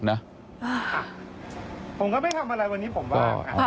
อ้า